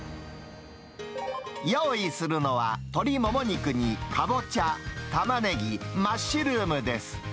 用意するのは、鶏モモ肉にカボチャ、タマネギ、マッシュルームです。